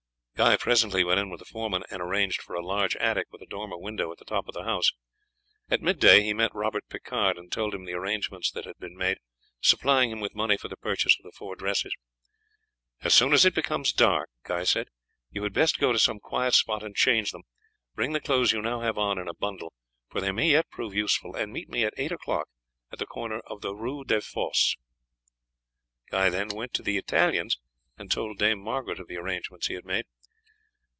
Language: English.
Guy presently went in with the foreman and arranged for a large attic with a dormer window, at the top of the house. At midday he met Robert Picard and told him the arrangements that had been made, supplying him with money for the purchase of the four dresses. "As soon as it becomes dark," he said, "you had best go to some quiet spot and change them. Bring the clothes you now have on in a bundle, for they may yet prove useful, and meet me at eight o'clock at the corner of the Rue des Fosses." Guy then went to the Italian's and told Dame Margaret of the arrangements he had made.